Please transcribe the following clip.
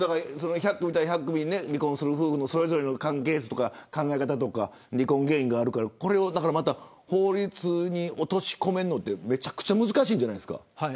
１００組いたら１００組離婚する夫婦それぞれの関係図とか考え方とか離婚原因があるからこれを法律に落とし込むのってめちゃくちゃ難しいんじゃないですか。